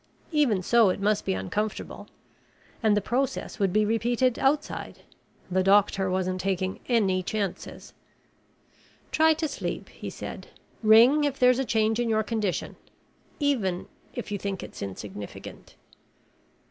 Even so it must be uncomfortable and the process would be repeated outside. The doctor wasn't taking any chances. "Try to sleep," he said. "Ring if there's a change in your condition even if you think it's insignificant."